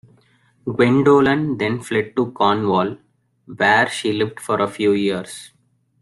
Gwendolen then fled to Cornwall, where she lived for a few years.